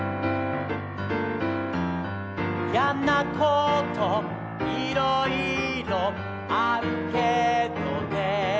「やなこといろいろあるけどね」